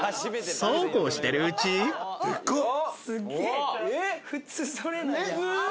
そうこうしてるうちデカっ！